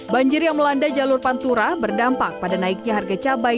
banjir yang melanda jalur pantura berdampak pada naiknya harga cabai